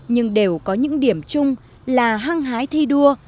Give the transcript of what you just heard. nhưng đều có những điểm chung là hăng hái thi đua